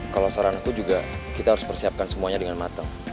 kalau saran aku juga kita harus persiapkan semuanya dengan matang